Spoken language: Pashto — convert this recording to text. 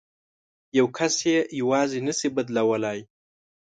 یو کس یې یوازې نه شي بدلولای.